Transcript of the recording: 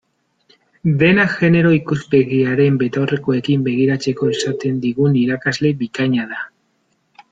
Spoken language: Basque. Dena genero ikuspegiaren betaurrekoekin begiratzeko esaten digun irakasle bikaina da.